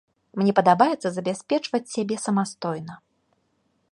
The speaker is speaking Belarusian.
Мне падабаецца забяспечваць сябе самастойна.